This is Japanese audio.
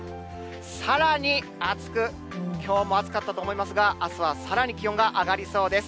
さらに、暑く、きょうも暑かったと思いますが、あすはさらに気温が上がりそうです。